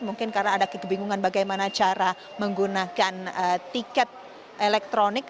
mungkin karena ada kebingungan bagaimana cara menggunakan tiket elektronik